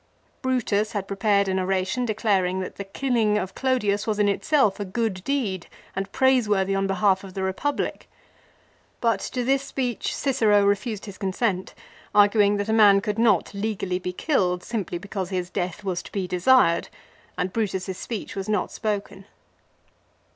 Brutus had prepared an oration declaring that the killing of Clodius was in itself a good deed, and praiseworthy on behalf of the Republic ; but to this speech Cicero refused 74 LIFE OF CICERO. his consent, arguing that a man could not legally be killed simply because his death was to be desired, and Brutus 's speech was not spoken.